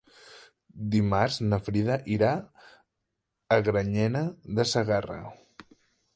Dimarts na Frida irà a Granyena de Segarra.